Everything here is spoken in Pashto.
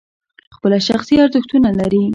خپل شخصي ارزښتونه لري.